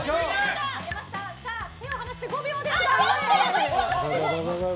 手を離して５秒ですよ。